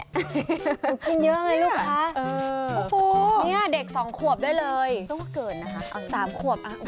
ขึ้นเยอะไงลูกค้าโอ้โหนี่เด็ก๒ขวบด้วยเลยต้องก็เกินนะครับ๓ขวบ